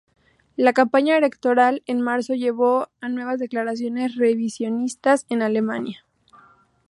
La campaña electoral en marzo llevó a nuevas declaraciones revisionistas en Alemania.